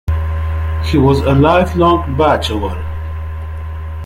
He was a lifelong bachelor.